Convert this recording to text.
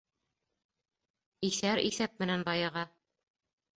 Иҫәр иҫәп менән байыға.